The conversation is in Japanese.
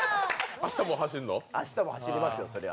明日も走りますよ、そりゃ。